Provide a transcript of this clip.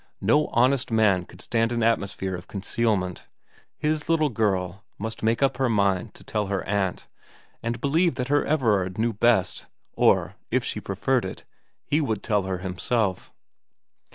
No honest man could stand an atmosphere of concealment. His little girl must make up her mind to tell her aunt, and believe that her Everard knew best ; or, if she preferred it, he would tell her himself.